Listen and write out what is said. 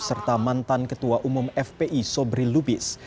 serta mantan ketua umum fpi sobri lubis